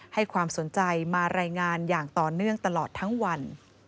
ให้ความสนใจมารายงานอย่างต่อเนื่องตลอดทั้งวัน